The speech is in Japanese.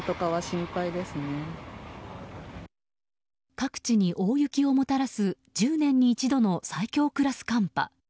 各地に大雪をもたらす１０年に一度の最強クラス寒波。